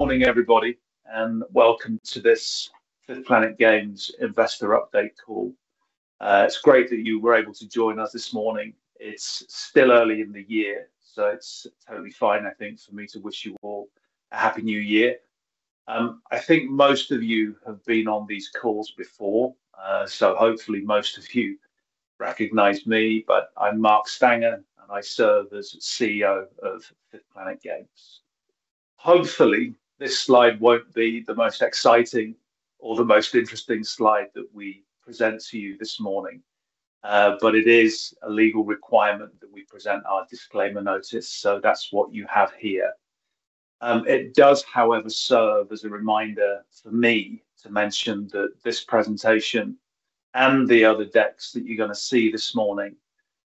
Morning, everybody, and welcome to this 5th Planet Games investor update call. It's great that you were able to join us this morning. It's still early in the year, so it's totally fine, I think, for me to wish you all a Happy New Year. I think most of you have been on these calls before, so hopefully most of you recognize me, but I'm Mark Stanger, and I serve as CEO of 5th Planet Games. Hopefully, this slide won't be the most exciting or the most interesting slide that we present to you this morning, but it is a legal requirement that we present our disclaimer notice, so that's what you have here. It does, however, serve as a reminder for me to mention that this presentation and the other decks that you're going to see this morning are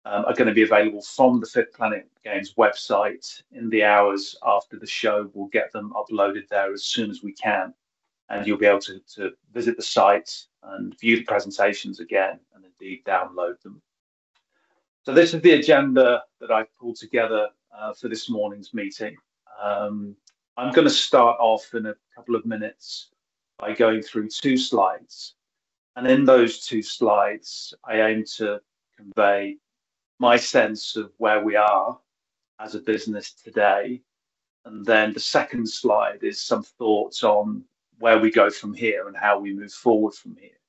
going to be available from the 5th Planet Games website in the hours after the show. We'll get them uploaded there as soon as we can, and you'll be able to visit the site and view the presentations again and indeed download them. So this is the agenda that I've pulled together for this morning's meeting. I'm going to start off in a couple of minutes by going through two slides, and in those two slides, I aim to convey my sense of where we are as a business today. Then the second slide is some thoughts on where we go from here and how we move forward from here.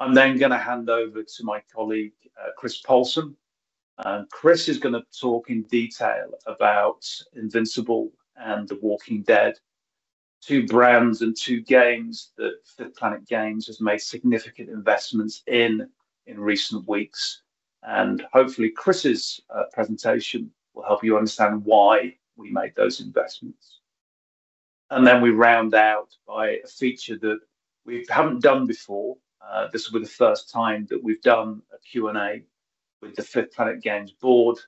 I'm then going to hand over to my colleague, Chris Paulson. Chris is going to talk in detail about Invincible and The Walking Dead, two brands and two games that 5th Planet Games has made significant investments in in recent weeks, and hopefully Chris's presentation will help you understand why we made those investments, and then we round out by a feature that we haven't done before. This will be the first time that we've done a Q&A with the 5th Planet Games board,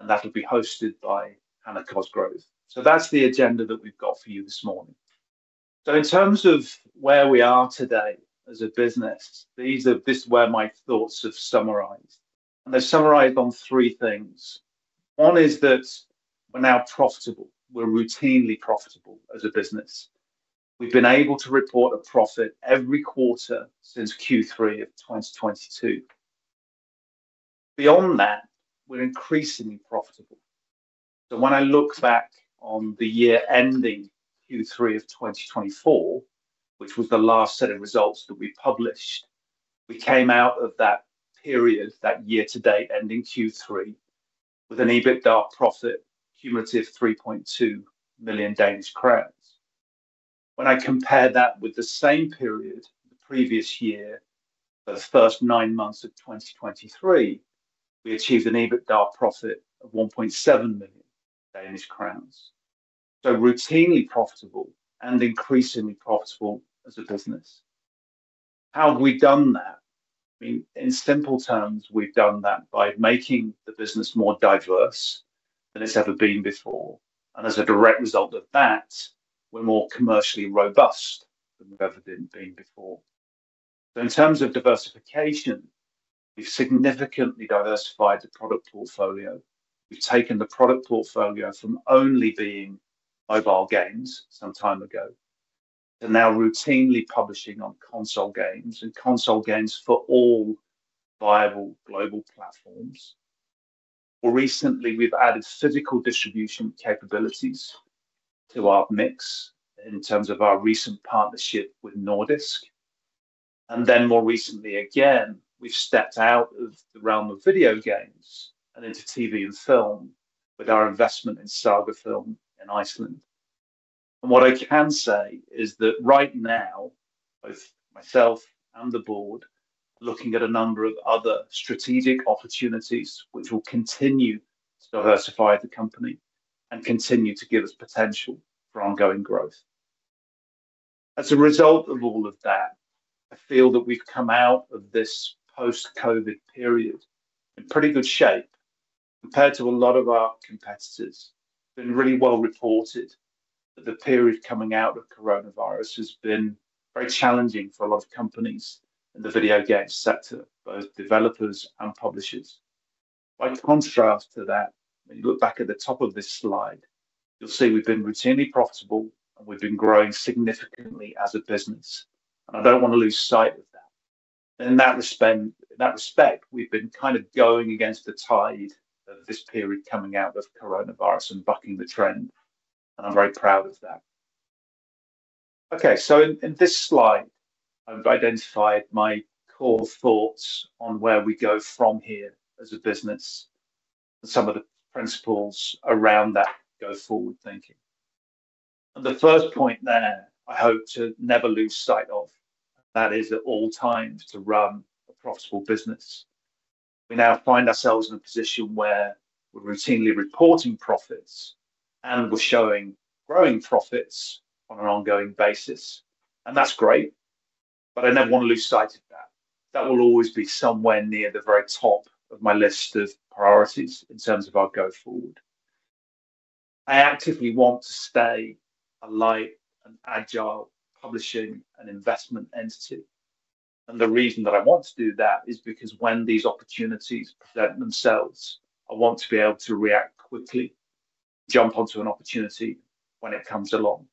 and that'll be hosted by Hannah Cosgrove, so that's the agenda that we've got for you this morning, so in terms of where we are today as a business, this is where my thoughts have summarized, and they're summarized on three things. One is that we're now profitable. We're routinely profitable as a business. We've been able to report a profit every quarter since Q3 of 2022. Beyond that, we're increasingly profitable. When I look back on the year ending Q3 of 2024, which was the last set of results that we published, we came out of that period, that year-to-date ending Q3, with an EBITDA profit cumulative of 3.2 million Danish crowns. When I compare that with the same period the previous year, the first nine months of 2023, we achieved an EBITDA profit of 1.7 million Danish crowns. Routinely profitable and increasingly profitable as a business. How have we done that? I mean, in simple terms, we've done that by making the business more diverse than it's ever been before. As a direct result of that, we're more commercially robust than we've ever been before. In terms of diversification, we've significantly diversified the product portfolio. We've taken the product portfolio from only being mobile games some time ago to now routinely publishing on console games for all viable global platforms. More recently, we've added physical distribution capabilities to our mix in terms of our recent partnership with Nordisk. And then more recently again, we've stepped out of the realm of video games and into TV and film with our investment in Sagafilm in Iceland. And what I can say is that right now, both myself and the board are looking at a number of other strategic opportunities which will continue to diversify the company and continue to give us potential for ongoing growth. As a result of all of that, I feel that we've come out of this post-COVID period in pretty good shape compared to a lot of our competitors. It's been really well reported that the period coming out of coronavirus has been very challenging for a lot of companies in the video game sector, both developers and publishers. By contrast to that, when you look back at the top of this slide, you'll see we've been routinely profitable, and we've been growing significantly as a business. And I don't want to lose sight of that. In that respect, we've been kind of going against the tide of this period coming out of coronavirus and bucking the trend, and I'm very proud of that. Okay, so in this slide, I've identified my core thoughts on where we go from here as a business and some of the principles around that go forward thinking. And the first point there I hope to never lose sight of, and that is at all times to run a profitable business. We now find ourselves in a position where we're routinely reporting profits, and we're showing growing profits on an ongoing basis, and that's great, but I never want to lose sight of that. That will always be somewhere near the very top of my list of priorities in terms of our go forward. I actively want to stay a light and agile publishing and investment entity, and the reason that I want to do that is because when these opportunities present themselves, I want to be able to react quickly. Jump onto an opportunity when it comes along,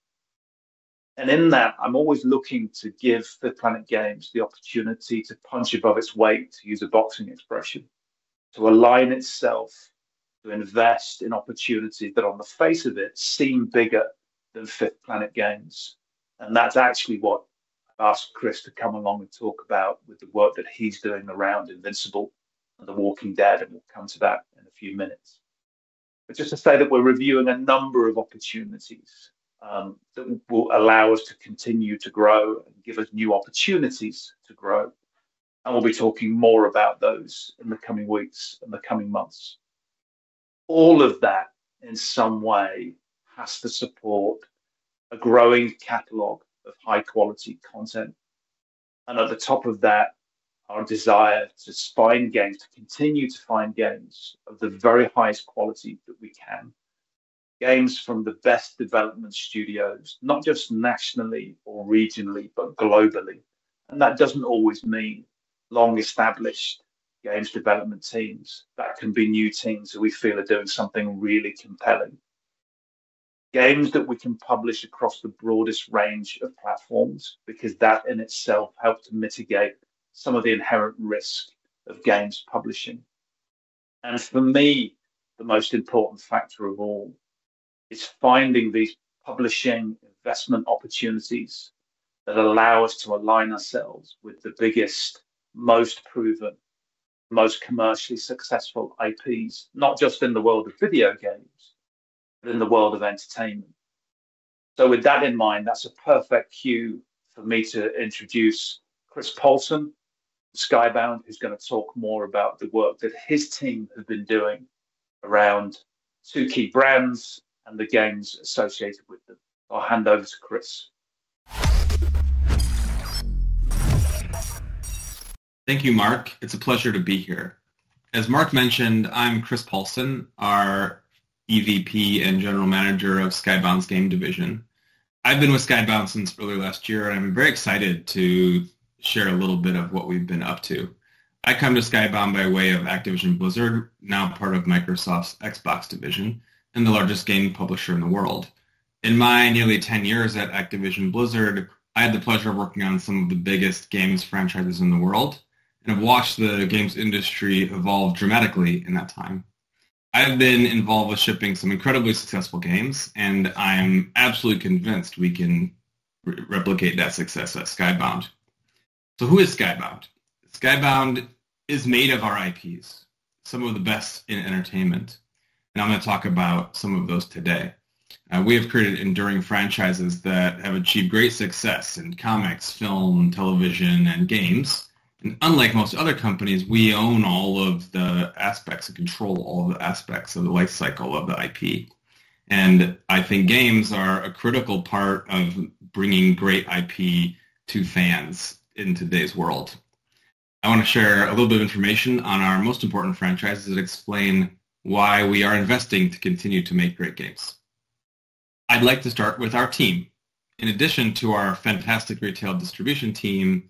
and in that, I'm always looking to give 5th Planet Games the opportunity to punch above its weight, to use a boxing expression, to align itself, to invest in opportunities that on the face of it seem bigger than 5th Planet Games. And that's actually what I've asked Chris to come along and talk about with the work that he's doing around Invincible and The Walking Dead, and we'll come to that in a few minutes. But just to say that we're reviewing a number of opportunities, that will allow us to continue to grow and give us new opportunities to grow. And we'll be talking more about those in the coming weeks and the coming months. All of that, in some way, has to support a growing catalog of high-quality content. And at the top of that, our desire to find games, to continue to find games of the very highest quality that we can, games from the best development studios, not just nationally or regionally, but globally. And that doesn't always mean long-established games development teams. That can be new teams that we feel are doing something really compelling, games that we can publish across the broadest range of platforms because that in itself helps to mitigate some of the inherent risk of games publishing. And for me, the most important factor of all is finding these publishing investment opportunities that allow us to align ourselves with the biggest, most proven, most commercially successful IPs, not just in the world of video games, but in the world of entertainment. So with that in mind, that's a perfect cue for me to introduce Chris Paulson from Skybound, who's going to talk more about the work that his team have been doing around two key brands and the games associated with them. I'll hand over to Chris. Thank you, Mark. It's a pleasure to be here. As Mark mentioned, I'm Chris Paulson, our EVP and General Manager of Skybound's game division. I've been with Skybound since early last year, and I'm very excited to share a little bit of what we've been up to. I come to Skybound by way of Activision Blizzard, now part of Microsoft's Xbox division and the largest game publisher in the world. In my nearly 10 years at Activision Blizzard, I had the pleasure of working on some of the biggest games franchises in the world and have watched the games industry evolve dramatically in that time. I've been involved with shipping some incredibly successful games, and I am absolutely convinced we can replicate that success at Skybound. So who is Skybound? Skybound is made of our IPs, some of the best in entertainment, and I'm going to talk about some of those today. We have created enduring franchises that have achieved great success in comics, film, television, and games. And unlike most other companies, we own all of the aspects and control all of the aspects of the life cycle of the IP. And I think games are a critical part of bringing great IP to fans in today's world. I want to share a little bit of information on our most important franchises that explain why we are investing to continue to make great games. I'd like to start with our team. In addition to our fantastic retail distribution team,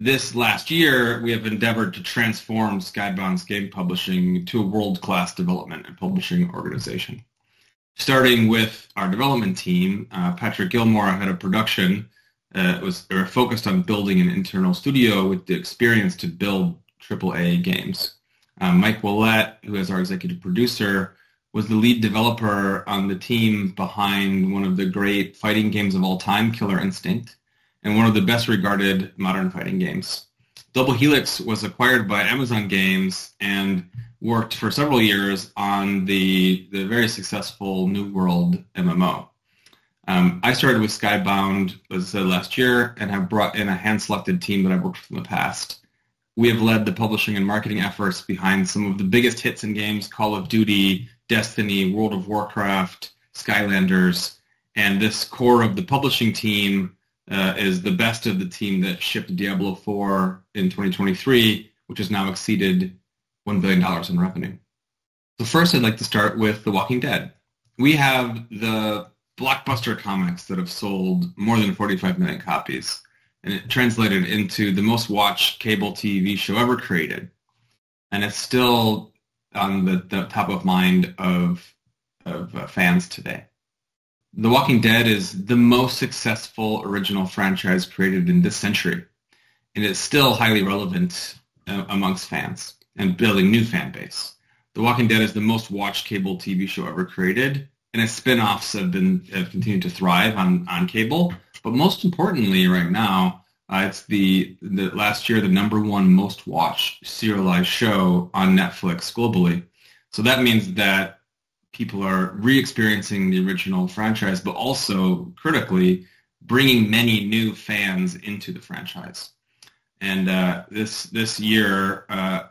this last year, we have endeavored to transform Skybound's game publishing to a world-class development and publishing organization. Starting with our development team, Patrick Gilmore, our Head of Production, was focused on building an internal studio with the experience to build AAA games; Mike Willette, who is our Executive Producer, was the lead developer on the team behind one of the great fighting games of all time, Killer Instinct, and one of the best-regarded modern fighting games. Double Helix was acquired by Amazon Games and worked for several years on the very successful New World MMO. I started with Skybound, as I said last year, and have brought in a hand-selected team that I've worked with in the past. We have led the publishing and marketing efforts behind some of the biggest hits in games: Call of Duty, Destiny, World of Warcraft, Skylanders. This core of the publishing team is the best of the team that shipped Diablo IV in 2023, which has now exceeded $1 billion in revenue. First, I'd like to start with The Walking Dead. We have the blockbuster comics that have sold more than 45 million copies, and it translated into the most-watched cable TV show ever created, and it's still on the top of mind of fans today. The Walking Dead is the most successful original franchise created in this century, and it's still highly relevant amongst fans and building a new fan base. The Walking Dead is the most-watched cable TV show ever created, and its spinoffs have been continued to thrive on cable. But most importantly right now, it's the last year, the number one most-watched serialized show on Netflix globally. That means that people are re-experiencing the original franchise, but also critically bringing many new fans into the franchise. This year,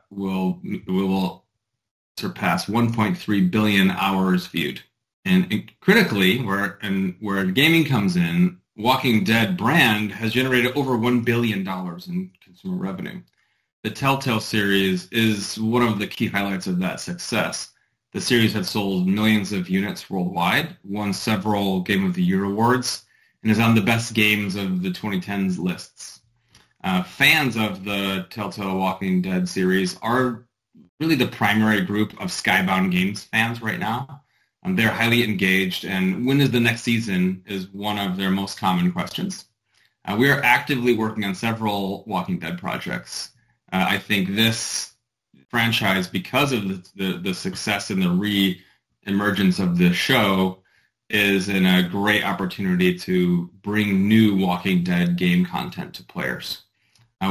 we will surpass 1.3 billion hours viewed. Critically, where gaming comes in, The Walking Dead brand has generated over $1 billion in consumer revenue. The Telltale series is one of the key highlights of that success. The series has sold millions of units worldwide, won several Game of the Year awards, and is on the best games of the 2010s lists. Fans of the Telltale The Walking Dead series are really the primary group of Skybound Games fans right now. They're highly engaged, and "When is the next season?" is one of their most common questions. We are actively working on several Walking Dead projects. I think this franchise, because of the success and the re-emergence of the show, is in a great opportunity to bring new Walking Dead game content to players.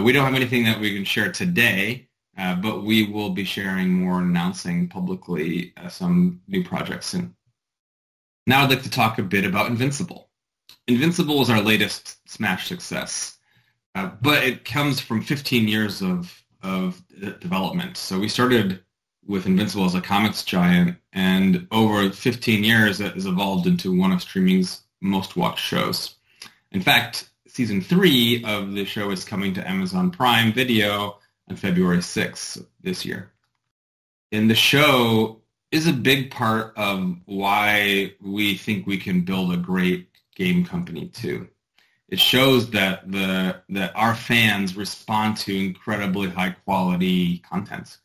We don't have anything that we can share today, but we will be sharing more and announcing publicly some new projects soon. Now I'd like to talk a bit about Invincible. Invincible is our latest smash success, but it comes from 15 years of development, so we started with Invincible as a comics giant, and over 15 years, it has evolved into one of streaming's most-watched shows. In fact, season three of the show is coming to Amazon Prime Video on February 6th this year, and the show is a big part of why we think we can build a great game company too. It shows that our fans respond to incredibly high-quality content.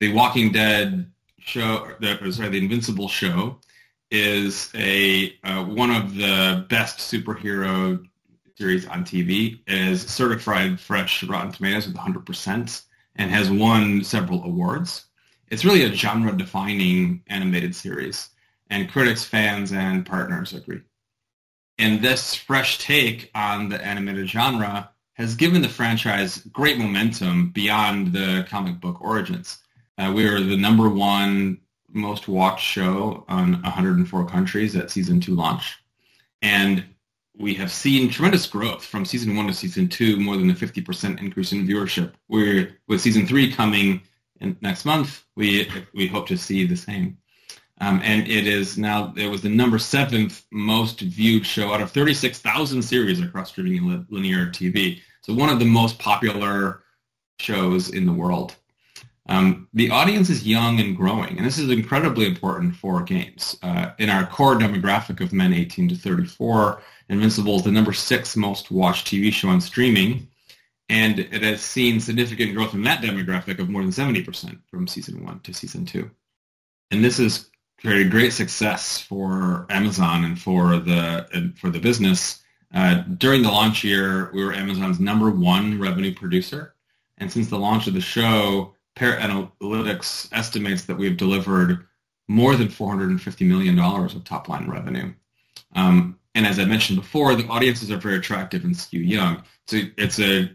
The Walking Dead show, or sorry, the Invincible show, is one of the best superhero series on TV, is certified fresh Rotten Tomatoes with 100% and has won several awards. It's really a genre-defining animated series, and critics, fans, and partners agree, and this fresh take on the animated genre has given the franchise great momentum beyond the comic book origins. We are the number one most-watched show on 104 countries at season two launch, and we have seen tremendous growth from season one to season two, more than a 50% increase in viewership. We're with season three coming next month, we hope to see the same, and it was the number seventh most viewed show out of 36,000 series across streaming and linear TV, so one of the most popular shows in the world. The audience is young and growing, and this is incredibly important for games. In our core demographic of men 18 to 34, Invincible is the number six most-watched TV show on streaming, and it has seen significant growth in that demographic of more than 70% from season one to season two. This has created great success for Amazon and for the business. During the launch year, we were Amazon's number one revenue producer. Since the launch of the show, Parrot Analytics estimates that we have delivered more than $450 million of top-line revenue. As I mentioned before, the audiences are very attractive and skew young. It's a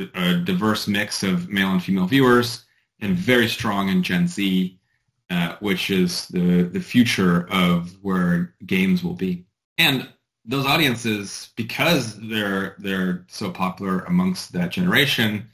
diverse mix of male and female viewers and very strong in Gen Z, which is the future of where games will be. Those audiences, because they're so popular among that generation,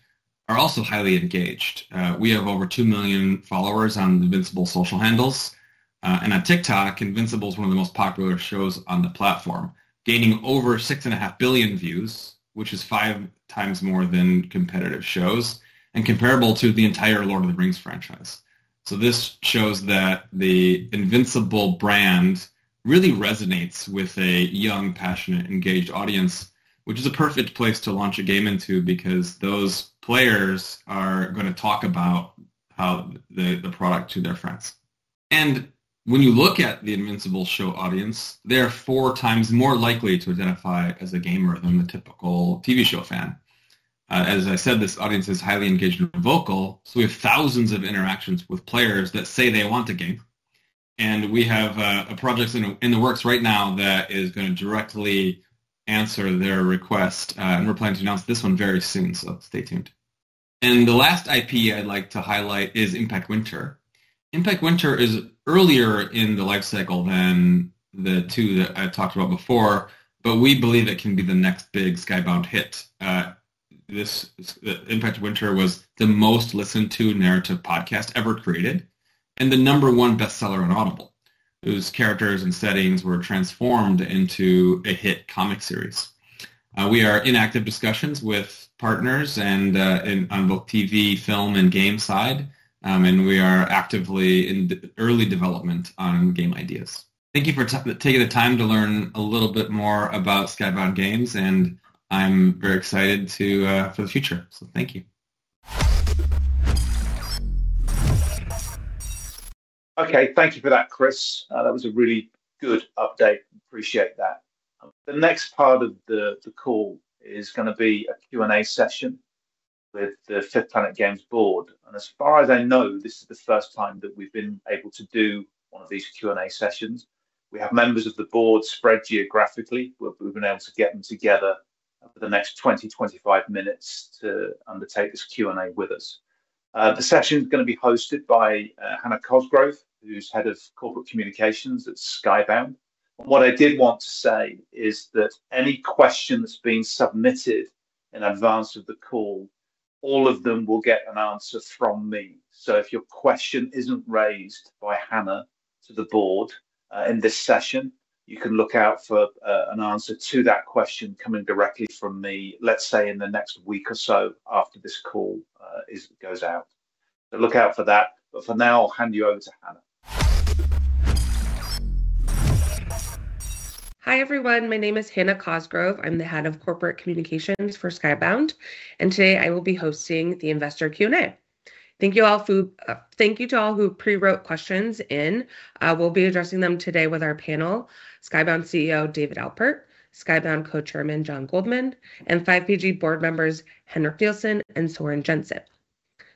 are also highly engaged. We have over two million followers on Invincible's social handles, and on TikTok, Invincible is one of the most popular shows on the platform, gaining over 6.5 billion views, which is five times more than competitive shows and comparable to the entire Lord of the Rings franchise, so this shows that the Invincible brand really resonates with a young, passionate, engaged audience, which is a perfect place to launch a game into because those players are going to talk about how the product to their friends, and when you look at the Invincible show audience, they are four times more likely to identify as a gamer than the typical TV show fan. As I said, this audience is highly engaged in the vocal, so we have thousands of interactions with players that say they want a game. We have a project in the works right now that is going to directly answer their request, and we're planning to announce this one very soon, so stay tuned. The last IP I'd like to highlight is Impact Winter. Impact Winter is earlier in the life cycle than the two that I talked about before, but we believe it can be the next big Skybound hit. This Impact Winter was the most listened-to narrative podcast ever created and the number one bestseller on Audible, whose characters and settings were transformed into a hit comic series. We are in active discussions with partners and in on both TV, film, and game side, and we are actively in early development on game ideas. Thank you for taking the time to learn a little bit more about Skybound Games, and I'm very excited to, for the future, so thank you. Okay, thank you for that, Chris. That was a really good update. Appreciate that. The next part of the call is going to be a Q&A session with the 5th Planet Games Board. And as far as I know, this is the first time that we've been able to do one of these Q&A sessions. We have members of the board spread geographically. We've been able to get them together for the next 20-25 minutes to undertake this Q&A with us. The session is going to be hosted by Hannah Cosgrove, who's head of corporate communications at Skybound. What I did want to say is that any questions being submitted in advance of the call, all of them will get an answer from me. So if your question isn't raised by Hannah to the board in this session, you can look out for an answer to that question coming directly from me, let's say in the next week or so after this call goes out. So look out for that. But for now, I'll hand you over to Hannah. Hi everyone. My name is Hannah Cosgrove. I'm the head of corporate communications for Skybound, and today I will be hosting the investor Q&A. Thank you to all who pre-wrote questions in. We'll be addressing them today with our panel, Skybound CEO David Alpert, Skybound Co-Chairman Jon Goldman, and 5PG board members Henrik Nielsen and Søren Jensen.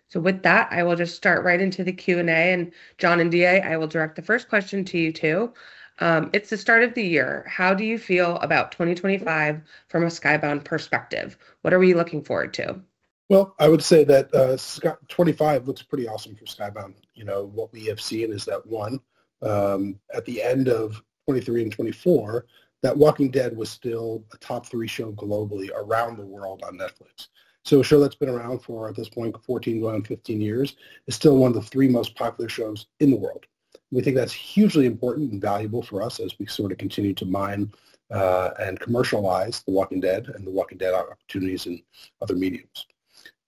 So with that, I will just start right into the Q&A, and Jon and DA, I will direct the first question to you too. It's the start of the year. How do you feel about 2025 from a Skybound perspective? What are we looking forward to? I would say that, 2025 looks pretty awesome for Skybound. You know, what we have seen is that, one, at the end of 2023 and 2024, that Walking Dead was still a top three show globally around the world on Netflix. So a show that's been around for, at this point, 14 going on 15 years is still one of the three most popular shows in the world. We think that's hugely important and valuable for us as we sort of continue to mine, and commercialize the Walking Dead and the Walking Dead opportunities in other mediums.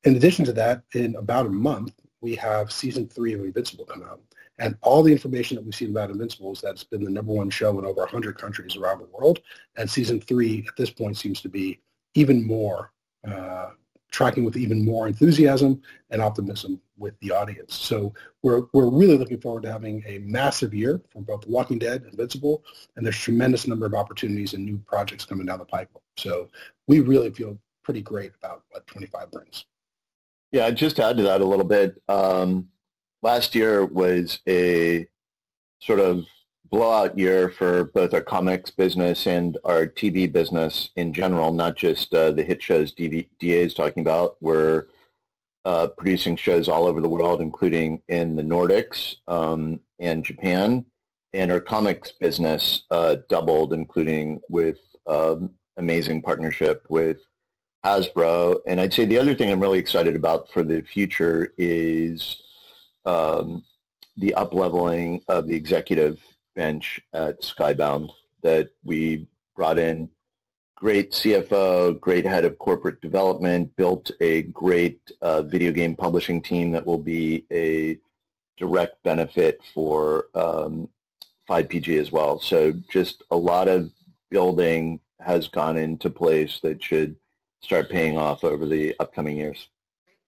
In addition to that, in about a month, we have season three of Invincible come out, and all the information that we've seen about Invincible is that it's been the number one show in over 100 countries around the world. Season three, at this point, seems to be even more, tracking with even more enthusiasm and optimism with the audience. We're really looking forward to having a massive year for both Walking Dead and Invincible, and there's a tremendous number of opportunities and new projects coming down the pipeline. We really feel pretty great about what 2025 brings. Yeah, I'd just add to that a little bit. Last year was a sort of blowout year for both our comics business and our TV business in general, not just the hit shows DA is talking about. We're producing shows all over the world, including in the Nordics and Japan. And our comics business doubled, including with amazing partnership with Hasbro. And I'd say the other thing I'm really excited about for the future is the upleveling of the executive bench at Skybound that we brought in. Great CFO, great head of corporate development, built a great video game publishing team that will be a direct benefit for 5PG as well. So just a lot of building has gone into place that should start paying off over the upcoming years.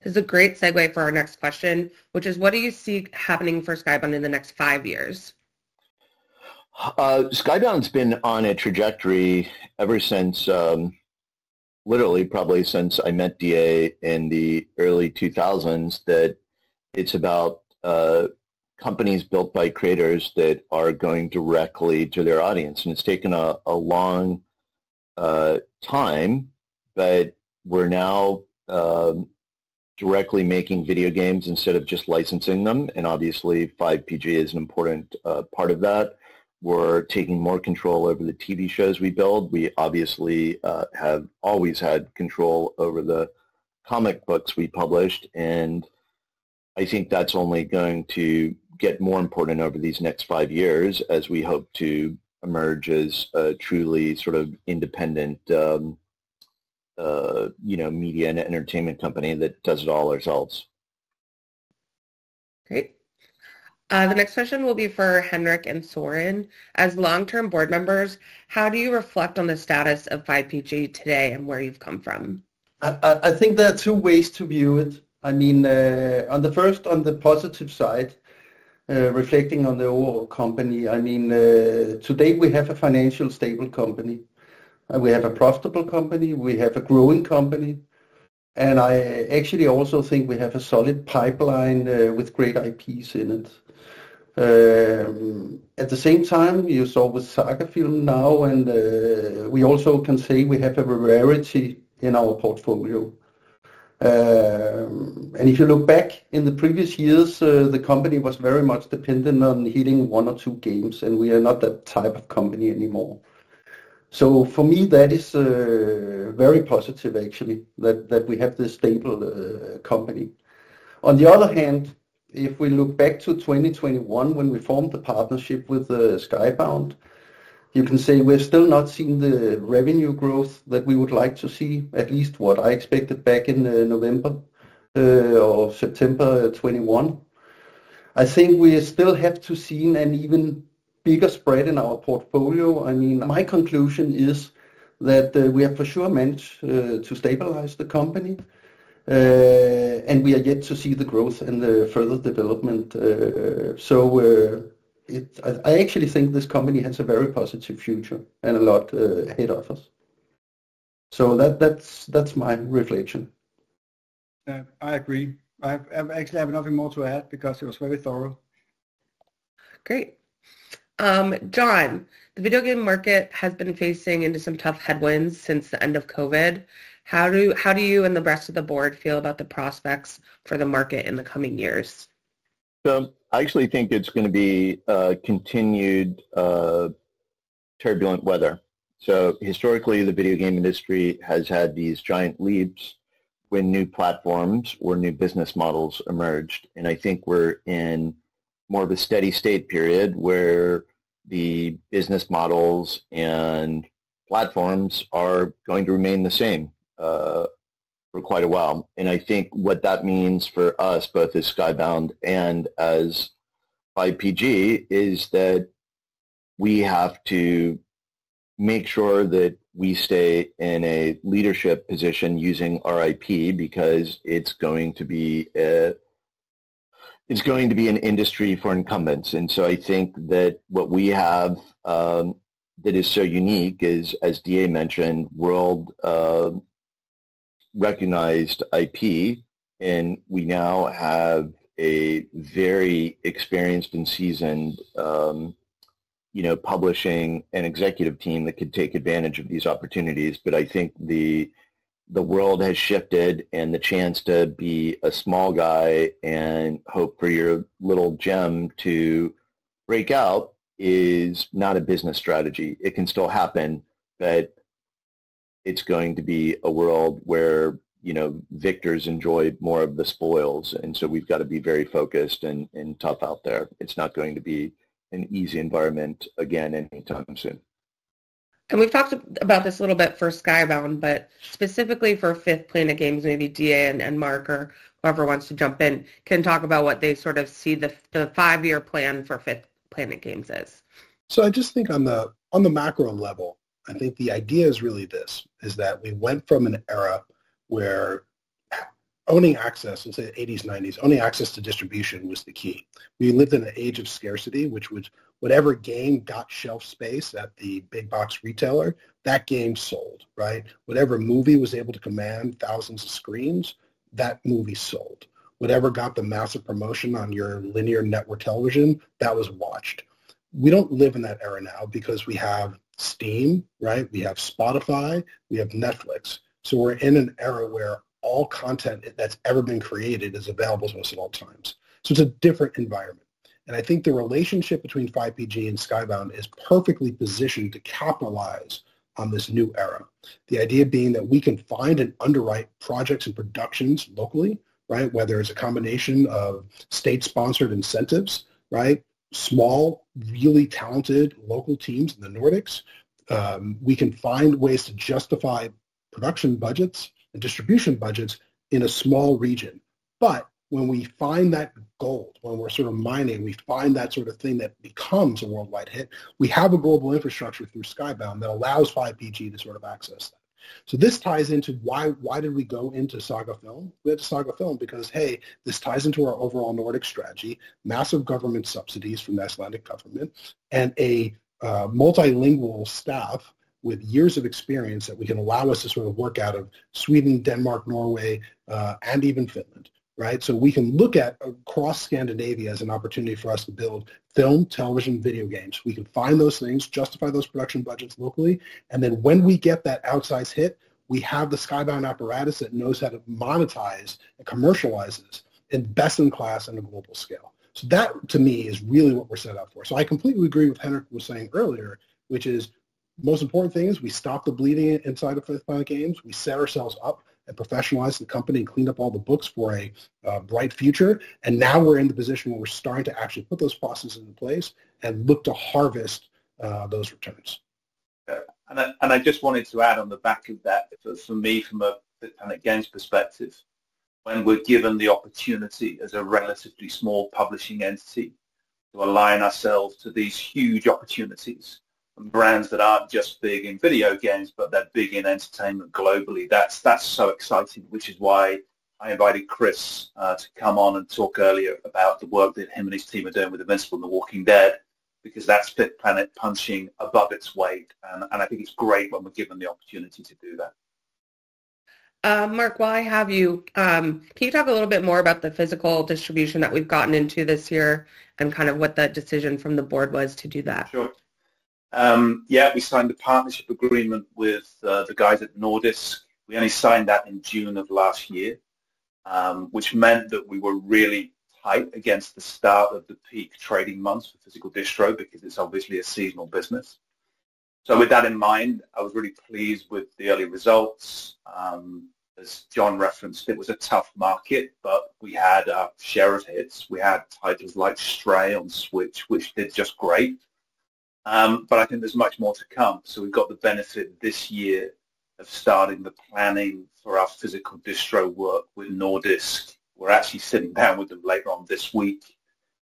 This is a great segue for our next question, which is, what do you see happening for Skybound in the next five years? Skybound's been on a trajectory ever since, literally probably since I met DA in the early 2000s, that it's about companies built by creators that are going directly to their audience. And it's taken a long time, but we're now directly making video games instead of just licensing them. And obviously, 5PG is an important part of that. We're taking more control over the TV shows we build. We obviously have always had control over the comic books we published, and I think that's only going to get more important over these next five years as we hope to emerge as a truly sort of independent, you know, media and entertainment company that does it all ourselves. Great. The next question will be for Henrik and Søren. As long-term board members, how do you reflect on the status of 5PG today and where you've come from? I think there are two ways to view it. I mean, on the first, on the positive side, reflecting on the overall company, I mean, today we have a financially stable company. We have a profitable company. We have a growing company. And I actually also think we have a solid pipeline with great IPs in it. At the same time, you saw with Sagafilm now, and we also can say we have a variety in our portfolio. And if you look back in the previous years, the company was very much dependent on hitting one or two games, and we are not that type of company anymore. So for me, that is very positive, actually, that we have this stable company. On the other hand, if we look back to 2021, when we formed the partnership with Skybound, you can say we're still not seeing the revenue growth that we would like to see. At least what I expected back in November or September 2021. I think we still have to see an even bigger spread in our portfolio. I mean, my conclusion is that we have for sure managed to stabilize the company, and we are yet to see the growth and the further development. I actually think this company has a very positive future and a lot ahead of us. That's my reflection. I agree. I actually have nothing more to add because it was very thorough. Great. Jon, the video game market has been facing into some tough headwinds since the end of COVID. How do you and the rest of the board feel about the prospects for the market in the coming years? So I actually think it's going to be continued turbulent weather. Historically, the video game industry has had these giant leaps when new platforms or new business models emerged. And I think we're in more of a steady state period where the business models and platforms are going to remain the same, for quite a while. And I think what that means for us, both as Skybound and as 5PG, is that we have to make sure that we stay in a leadership position using our IP because it's going to be an industry for incumbents. And so I think that what we have, that is so unique is, as DA mentioned, world-recognized IP, and we now have a very experienced and seasoned, you know, publishing and executive team that could take advantage of these opportunities. But I think the world has shifted, and the chance to be a small guy and hope for your little gem to break out is not a business strategy. It can still happen, but it's going to be a world where, you know, victors enjoy more of the spoils. And so we've got to be very focused and tough out there. It's not going to be an easy environment again anytime soon. And we've talked about this a little bit for Skybound, but specifically for 5th Planet Games, maybe DA and Mark or whoever wants to jump in can talk about what they sort of see the five-year plan for 5th Planet Games is. So I just think on the macro level, I think the idea is really this: is that we went from an era where owning access, let's say '80s, '90s, owning access to distribution was the key. We lived in an age of scarcity, which was whatever game got shelf space at the big box retailer, that game sold, right? Whatever movie was able to command thousands of screens, that movie sold. Whatever got the massive promotion on your linear network television, that was watched. We don't live in that era now because we have Steam, right? We have Spotify. We have Netflix. So we're in an era where all content that's ever been created is available to us at all times. So it's a different environment. And I think the relationship between 5PG and Skybound is perfectly positioned to capitalize on this new era. The idea being that we can find and underwrite projects and productions locally, right? Whether it's a combination of state-sponsored incentives, right? Small, really talented local teams in the Nordics, we can find ways to justify production budgets and distribution budgets in a small region, but when we find that gold, when we're sort of mining, we find that sort of thing that becomes a worldwide hit, we have a global infrastructure through Skybound that allows 5PG to sort of access that, so this ties into why did we go into Sagafilm? We went to Sagafilm because, hey, this ties into our overall Nordic strategy: massive government subsidies from the Icelandic government and a multilingual staff with years of experience that we can allow us to sort of work out of Sweden, Denmark, Norway, and even Finland, right? We can look at across Scandinavia as an opportunity for us to build film, television, video games. We can find those things, justify those production budgets locally, and then when we get that outsized hit, we have the Skybound apparatus that knows how to monetize and commercialize it in best-in-class and a global scale. So that, to me, is really what we're set up for. I completely agree with Henrik was saying earlier, which is the most important thing is we stop the bleeding inside of 5th Planet Games. We set ourselves up and professionalize the company and clean up all the books for a bright future. And now we're in the position where we're starting to actually put those processes in place and look to harvest those returns. And I just wanted to add on the back of that. For me, from a 5th Planet Games perspective, when we're given the opportunity as a relatively small publishing entity to align ourselves to these huge opportunities and brands that aren't just big in video games, but they're big in entertainment globally, that's so exciting, which is why I invited Chris to come on and talk earlier about the work that him and his team are doing with Invincible and The Walking Dead, because that's 5th Planet punching above its weight. And I think it's great when we're given the opportunity to do that. Mark, why have you, can you talk a little bit more about the physical distribution that we've gotten into this year and kind of what the decision from the board was to do that? Sure. Yeah, we signed a partnership agreement with the guys at Nordisk. We only signed that in June of last year, which meant that we were really tight against the start of the peak trading months for physical distro because it's obviously a seasonal business. So with that in mind, I was really pleased with the early results. As John referenced, it was a tough market, but we had our share of hits. We had titles like Stray on Switch, which did just great, but I think there's much more to come, so we've got the benefit this year of starting the planning for our physical distro work with Nordisk. We're actually sitting down with them later on this week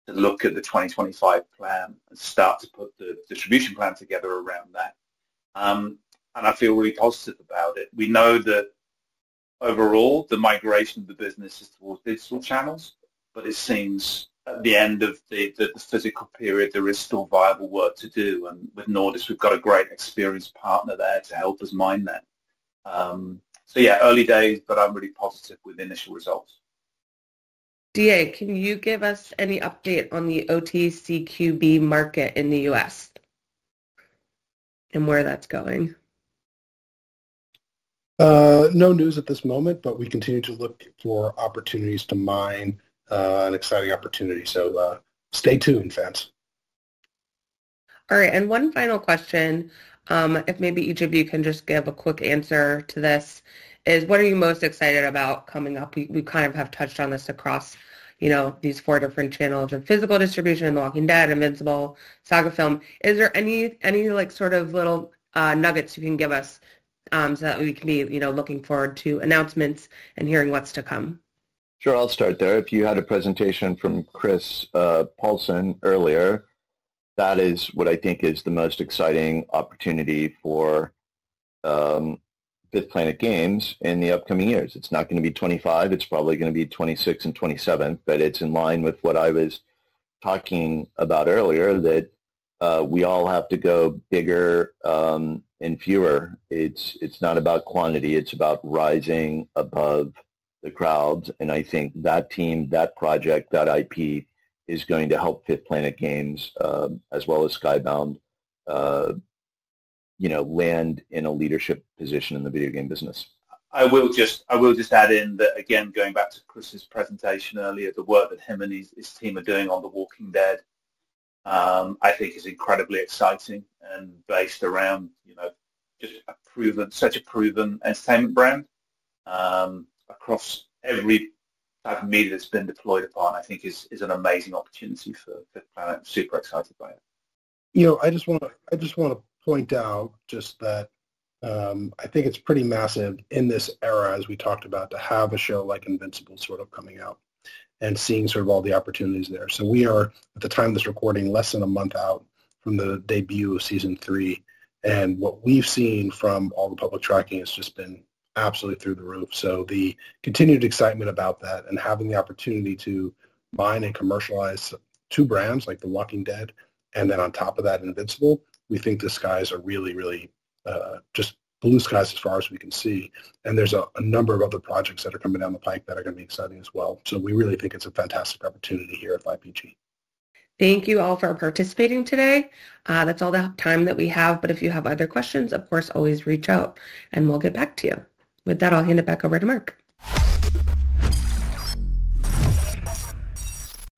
to look at the 2025 plan and start to put the distribution plan together around that, and I feel really positive about it. We know that overall, the migration of the business is towards digital channels, but it seems at the end of the physical period, there is still viable work to do, and with Nordisk, we've got a great experienced partner there to help us mine that, so yeah, early days, but I'm really positive with initial results. DA, can you give us any update on the OTCQB market in the U.S. and where that's going? No news at this moment, but we continue to look for opportunities to mine, an exciting opportunity. So, stay tuned, fans. All right. One final question, if maybe each of you can just give a quick answer to this is, what are you most excited about coming up? We kind of have touched on this across, you know, these four different channels of physical distribution, The Walking Dead, Invincible, Sagafilm. Is there any, like, sort of little nuggets you can give us, so that we can be, you know, looking forward to announcements and hearing what's to come? Sure. I'll start there. If you had a presentation from Chris Paulson earlier, that is what I think is the most exciting opportunity for 5th Planet Games in the upcoming years. It's not going to be 2025. It's probably going to be 2026 and 2027, but it's in line with what I was talking about earlier, that we all have to go bigger and fewer. It's not about quantity. It's about rising above the crowds. And I think that team, that project, that IP is going to help 5th Planet Games, as well as Skybound, you know, land in a leadership position in the video game business. I will just add in that, again, going back to Chris's presentation earlier, the work that him and his team are doing on The Walking Dead, I think is incredibly exciting and based around, you know, just such a proven entertainment brand, across every type of media that's been deployed upon, I think is an amazing opportunity for 5th Planet. Super excited by it. You know, I just want to point out just that, I think it's pretty massive in this era, as we talked about, to have a show like Invincible sort of coming out and seeing sort of all the opportunities there. So we are, at the time of this recording, less than a month out from the debut of season three. And what we've seen from all the public tracking has just been absolutely through the roof. So the continued excitement about that and having the opportunity to mine and commercialize two brands like The Walking Dead and then on top of that, Invincible, we think the skies are really, really, just blue skies as far as we can see. And there's a number of other projects that are coming down the pike that are going to be exciting as well. We really think it's a fantastic opportunity here at 5PG. Thank you all for participating today. That's all the time that we have. But if you have other questions, of course, always reach out, and we'll get back to you. With that, I'll hand it back over to Mark.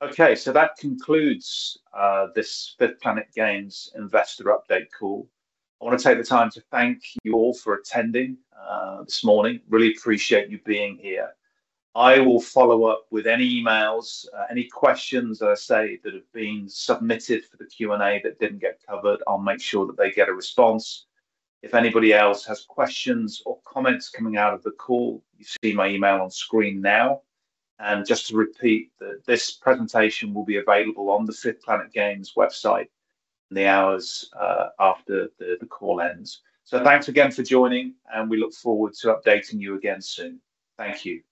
Okay. So that concludes this 5th Planet Games investor update call. I want to take the time to thank you all for attending this morning. Really appreciate you being here. I will follow up with any emails, any questions, as I say, that have been submitted for the Q&A that didn't get covered. I'll make sure that they get a response. If anybody else has questions or comments coming out of the call, you see my email on screen now. And just to repeat, this presentation will be available on the 5th Planet Games website in the hours after the call ends. So thanks again for joining, and we look forward to updating you again soon. Thank you.